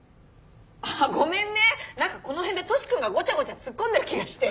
あぁごめんね何かこの辺でトシ君がごちゃごちゃツッコんでる気がして。